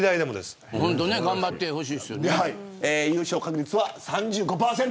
優勝確率は３５％。